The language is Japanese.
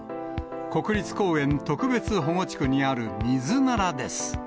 国立公園特別保護地区にあるミズナラです。